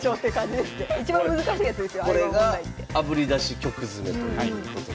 これがあぶり出し曲詰ということでございます。